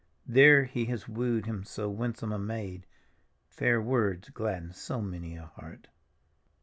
There he has wooed him so winsome a maid ; Fair words gladden so many a heart.